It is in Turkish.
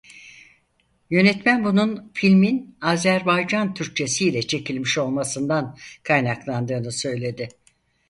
Yönetmen bunun filmin Azerbaycan Türkçesi ile çekilmiş olmasından kaynaklandığını söyledi.